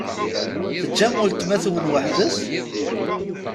Teǧǧam weltma-twen weḥd-s?